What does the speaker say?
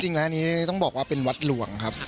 จริงแล้วอันนี้ต้องบอกว่าเป็นวัดหลวงครับ